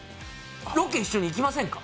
ロケ一緒に行きませんか？